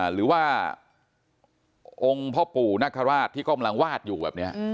หรือว่าองค์พ่อปู่นคราชที่กำลังวาดอยู่แบบนี้